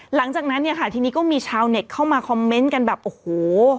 หลังจากนั้นเนี่ยค่ะทีนี้ก็มีชาวเน็ตเข้ามาคอมเมนต์กันแบบโอ้โห